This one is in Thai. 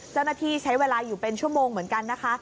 เจ้าหน้าที่ใช้เวลาอยู่เป็นชั่วโมงเหมือนกันนะคะ